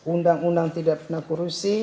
undang undang tidak pernah korupsi